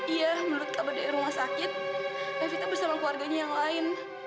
iya menurut kabar di rumah sakit evita bersama keluarganya yang lain